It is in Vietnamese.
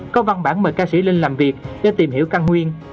có văn bản mời ca sĩ lên làm việc để tìm hiểu căn nguyên